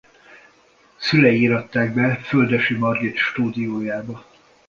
Szülei íratták be Földessy Margit stúdiójába.